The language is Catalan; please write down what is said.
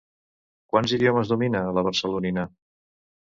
Quants idiomes domina la barcelonina?